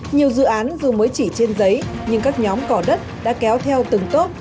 nhiều dự án dù mới chỉ trên giấy nhưng các nhóm cỏ đất đã kéo theo từng tốt